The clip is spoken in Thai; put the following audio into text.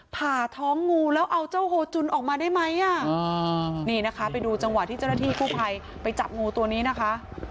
ผ่าท้องงูแล้วเอาเจ้าโฮจุนออกมาได้ไหมอ่ะนี่นะคะไปดูจังหวะที่เจ้าหน้าที่กู้ภัยไปจับงูตัวนี้นะคะ